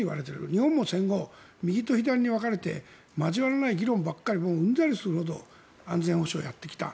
日本も戦後、右と左に分かれて交わらない議論ばかりうんざりするほど安全保障やってきた。